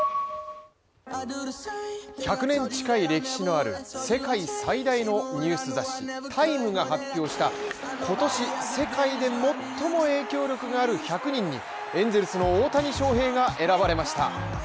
１００年近い歴史のある世界最大のニュース雑誌、「タイム」が発表した今年世界で最も影響力がある１００人にエンゼルスの大谷翔平が選ばれました。